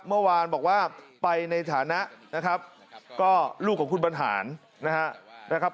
เมื่อวานบอกว่าไปในฐานะนะครับก็ลูกของคุณบรรหารนะครับ